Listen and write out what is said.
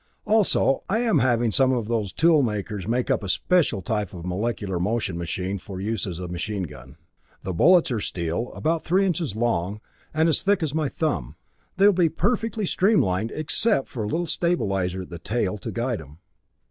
Also, I am having some of those tool makers make up a special type of molecular motion machine for use as a machine gun. The bullets are steel, about three inches long, and as thick as my thumb. They will be perfectly streamlined, except for a little stabilizer at the tail, to guide 'em.